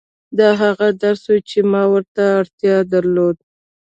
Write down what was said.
دا هغه درس و چې ما ورته اړتيا درلوده.